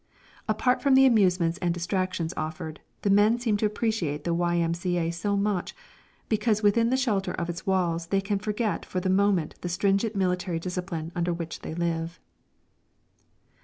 Apart from the amusements and distractions offered, the men seem to appreciate the Y.M.C.A. so much, because within the shelter of its walls they can forget for the moment the stringent military discipline under which they live.